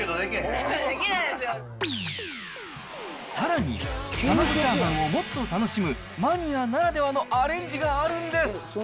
さらに、玉子チャーハンをもっと楽しむ、マニアならではのアレンジがあるんです。